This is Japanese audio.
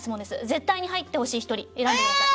絶対に入ってほしい１人選んでください。